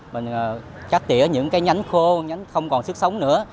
mình chắc tỉa những cái nhánh khô nhánh không còn sức sống nữa